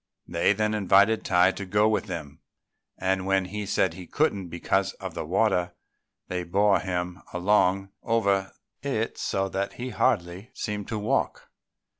They then invited Tai to go with them; and when he said he couldn't because of the water, they bore him along over it so that he hardly seemed to walk.